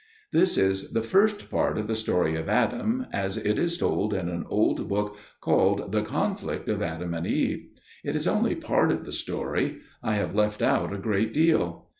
This is the first part of the story of Adam, as it is told in an old book called The Conflict of Adam and Eve. It is only part of the story; I have left out a great deal.